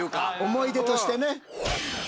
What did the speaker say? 思い出としてね！